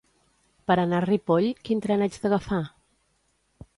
Per anar a Ripoll, quin tren haig d'agafar?